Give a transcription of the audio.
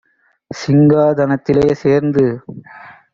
சிங்கா தனத்திலே சேர்ந்து: